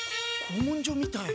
古文書みたい。